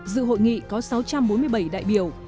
dự hội nghị có sáu trăm bốn mươi bảy đại biểu